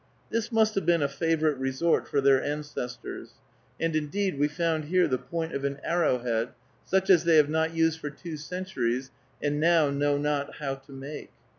This must have been a favorite resort for their ancestors, and, indeed, we found here the point of an arrowhead, such as they have not used for two centuries and now know not how to make.